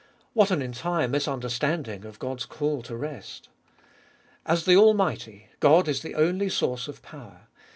What an entire misunder standing of God's call to rest. As the Almighty, God is the only source of power.